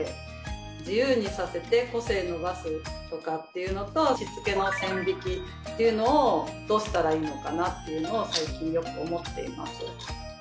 自由にさせて個性伸ばすとかっていうのとしつけの線引きっていうのをどうしたらいいのかなっていうのを最近よく思っています。